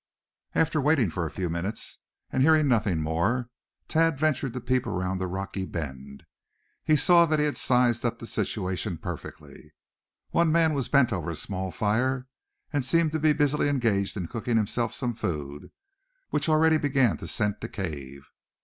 After waiting for a few minutes, and hearing nothing more, Thad ventured to peep around the rocky bend. He saw that he had sized up the situation perfectly. One man bent over a small fire, and seemed to be busily engaged in cooking himself some food, which already began to scent the cave.